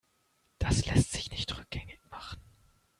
Das lässt sich nicht rückgängig machen.